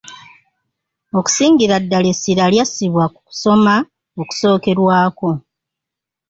Okusingira ddala essira lyassibwa ku kusoma okusookerwako.